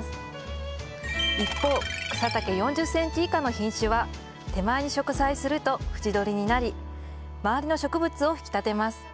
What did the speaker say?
一方草丈４０ｃｍ以下の品種は手前に植栽すると縁取りになり周りの植物を引き立てます。